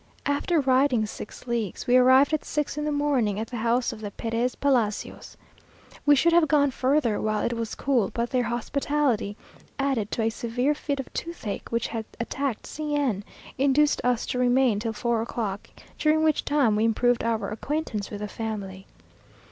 After riding six leagues, we arrived at six in the morning at the house of the Perez Palacios. We should have gone further while it was cool; but their hospitality, added to a severe fit of toothache which had attacked C n, induced us to remain till four o'clock, during which time we improved our acquaintance with the family.